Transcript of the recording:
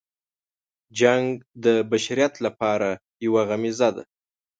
جنګ د بشریت لپاره یو غمیزه ده.